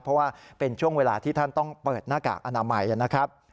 เพราะว่าเป็นช่วงเวลาที่ท่านต้องเปิดหน้ากากอนามัยนะครับ